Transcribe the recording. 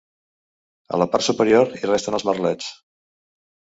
A la part superior hi resten els merlets.